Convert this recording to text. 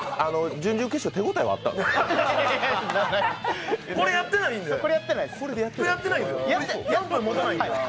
準々決勝、手応えはあったんですか？